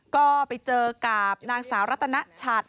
ก็ไปเจอกับนางสาวรัตนชัด